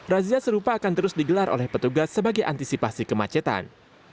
razia serupa akan terus digelar oleh petugas sebagai antisipasi kemacetan